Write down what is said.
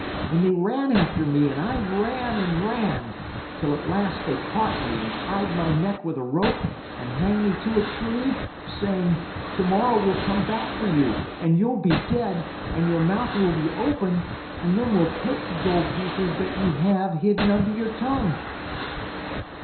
And they ran after me and I ran and ran, till at last they caught me and tied my neck with a rope and hanged me to a tree, saying, 'Tomorrow we'll come back for you and you'll be dead and your mouth will be open, and then we'll take the gold pieces that you have hidden under your tongue.